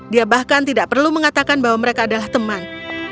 dia bahkan tidak perlu mengatakan bahwa mereka adalah teman